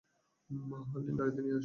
হারলিন, গাড়িতে গিয়ে বসো।